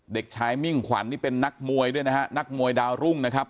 เด็กชายมิ่งขวัญนี่เป็นนักมวยด้วยนะฮะนักมวยดาวรุ่งนะครับ